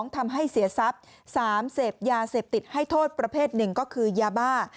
ทำให้เสียทรัพย์๓เสพยาเสพติดให้โทษประเภทหนึ่งก็คือยาบ้า